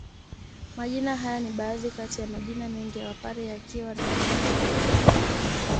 Majina haya ni baadhi kati ya majina mengi ya Wapare yakiwa na maana mbalimbali